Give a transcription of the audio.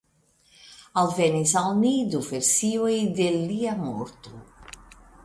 Alvenis al ni du versioj de lia morto.